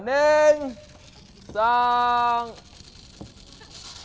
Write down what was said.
สังสัมปิด